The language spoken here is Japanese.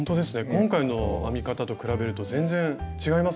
今回の編み方と比べると全然違いますね。